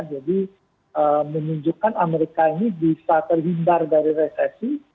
jadi menunjukkan amerika ini bisa terhindar dari resesi